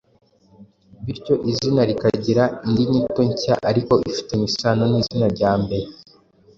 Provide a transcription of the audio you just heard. bityo izina rikagira indi nyito nshya ariko ifitanye isano n’izina rya mbere.